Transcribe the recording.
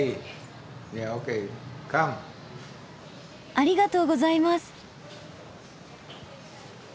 ありがとうございます。